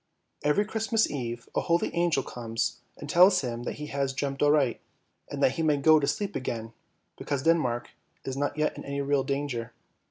Every Christmas Eve a holy angel comes and tells him that he has dreamt aright, and that he may go to sleep again, because Denmark is not yet in any real danger.